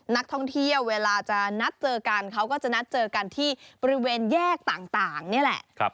นักท่องเที่ยวเวลาจะนัดเจอกันเขาก็จะนัดเจอกันที่บริเวณแยกต่างนี่แหละ